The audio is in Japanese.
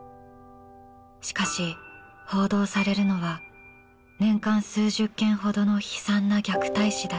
しかし報道されるのは年間数十件ほどの悲惨な虐待死だけ。